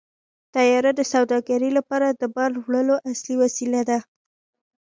طیاره د سوداګرۍ لپاره د بار وړلو اصلي وسیله ده.